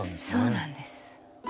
そうなんです。